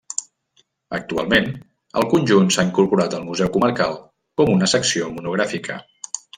Actualment, el conjunt s'ha incorporat al Museu Comarcal com una secció monogràfica.